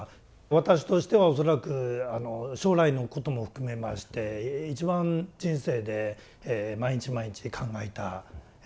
私としては恐らく将来のことも含めまして一番人生で毎日毎日で考えた悩んだ時期かなと思います。